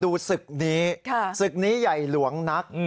ดูศธนีร์ศธนีร์ใหญ่หลวงนัก